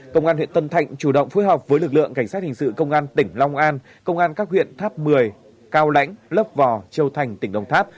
công an huyện tân thạnh chủ động phối hợp với lực lượng cảnh sát hình sự công an tỉnh long an công an các huyện tháp một mươi cao lãnh lấp vò châu thành tỉnh đồng tháp